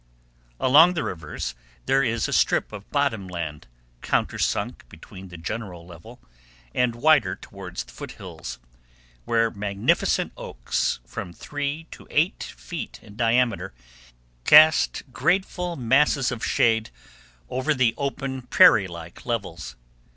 Along the rivers there is a strip of bottom land, countersunk beneath the general level, and wider toward the foot hills, where magnificent oaks, from three to eight feet in diameter, cast grateful masses of shade over the open, prairie like levels.